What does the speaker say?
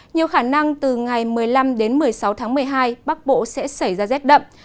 nhiều khả năng từ ngày một mươi năm đến một mươi sáu tháng một mươi hai bắc bộ sẽ xảy ra rét đậm